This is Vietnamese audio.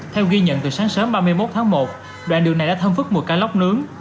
theo ghi nhận từ sáng sớm ba mươi một tháng một đoạn đường này đã thâm phức mùa cá lóc nướng